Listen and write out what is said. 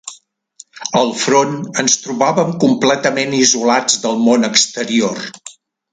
Al front ens trobàvem completament isolats del món exterior